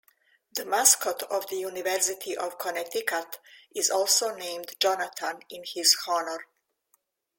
The mascot of The University of Connecticut is also named "Jonathan" in his honor.